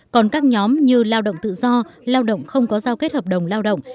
còn các nhóm như lao động tự do lao động không có giao kết hợp đồng lao động